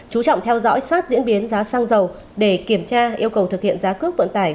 chú trọng theo dõi sát diễn biến giá xăng dầu để kiểm tra yêu cầu thực hiện giá cước vận tải